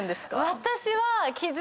私は。